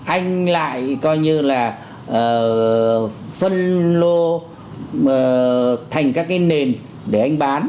anh lại coi như là phân lô thành các cái nền để anh bán